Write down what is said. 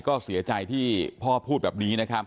ก็เสียใจพ่อพูดแบบนี้